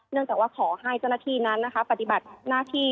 จากว่าขอให้เจ้าหน้าที่นั้นปฏิบัติหน้าที่